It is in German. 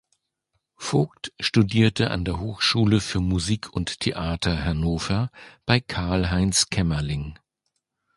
Vogt studierte an der Hochschule für Musik und Theater Hannover bei Karl-Heinz Kämmerling.